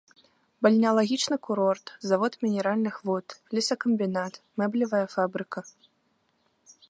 Бальнеалагічны курорт, завод мінеральных вод, лесакамбінат, мэблевая фабрыка.